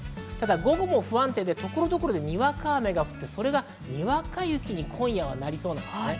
午後も不安定で所々にわか雨が降って、それがにわか雪に今夜、なりそうです。